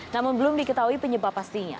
namun belum diketahui penyebab pastinya